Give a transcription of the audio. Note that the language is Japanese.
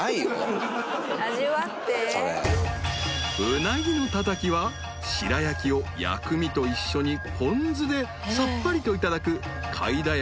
［うなぎのたたきはしらやきを薬味と一緒にポン酢でさっぱりといただくかいだ